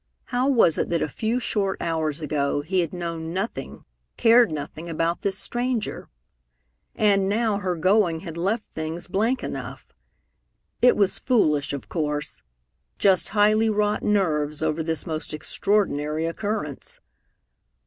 How was it that a few short hours ago he had known nothing, cared nothing, about this stranger? And now her going had left things blank enough! It was foolish, of course just highly wrought nerves over this most extraordinary occurrence.